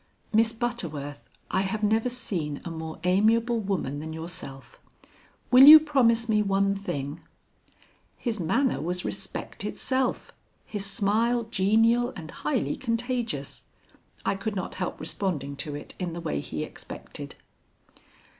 "Miss Butterworth, I have never seen a more amiable woman than yourself. Will you promise me one thing?" His manner was respect itself, his smile genial and highly contagious. I could not help responding to it in the way he expected.